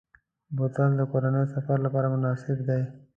بوتل د کورنۍ سفر لپاره مناسب دی.